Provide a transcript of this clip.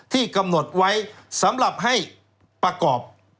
ที่กำหนดไว้สำหรับให้ประกอบ